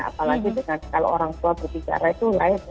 apalagi dengan kalau orang tua berbicara itu lain